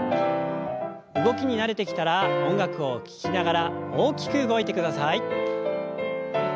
動きに慣れてきたら音楽を聞きながら大きく動いてください。